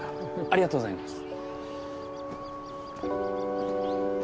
ありがとうございます。